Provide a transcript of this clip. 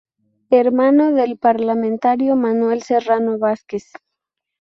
Hermano del parlamentario Manuel Serrano Vásquez.